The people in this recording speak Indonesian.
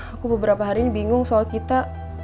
aku beberapa hari ini bingung soal kita